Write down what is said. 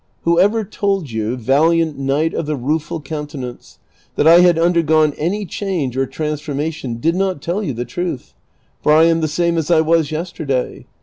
*' Whoever told you, valiant Knight of the Kueful Counte nance, that I had undergone any change or transformation did not tell you the truth, for I am the same as I was yesterday.